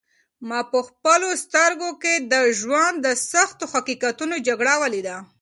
ما په خپلو سترګو کې د ژوند د سختو حقیقتونو جګړه ولیده.